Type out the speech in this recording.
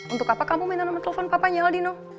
untuk apa kamu minta nomor telfon bapaknya aldino